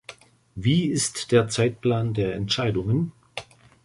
Wie ist der Zeitplan der Entscheidungen?